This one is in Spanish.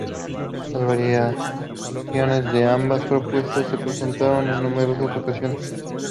Las variaciones de ambas propuestas se presentaron en numerosas ocasiones.